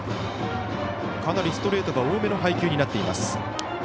かなりストレートが多めの配球になっています。